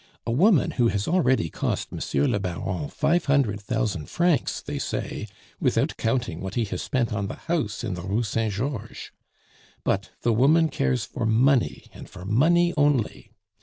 A woman who has already cost Monsieur le Baron five hundred thousand francs, they say, without counting what he has spent on the house in the Rue Saint Georges! But the woman cares for money, and for money only.